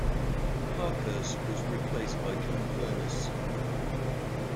Parkhurst was replaced by John Furness.